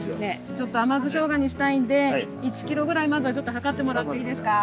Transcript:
ちょっと甘酢しょうがにしたいんで１ｋｇぐらいまずはちょっと量ってもらっていいですか。